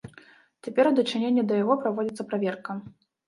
Цяпер у дачыненні да яго праводзіцца праверка.